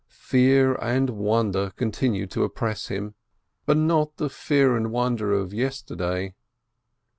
Fear and wonder continued to oppress him, but not the fear and wonder of yes terday.